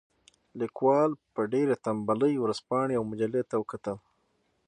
لیکوال په ډېرې تنبلۍ ورځپاڼې او مجلې ته وکتل.